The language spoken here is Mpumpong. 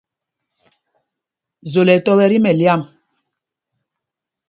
Zol ɛ tɔ́ wɛ tí mɛlyam ?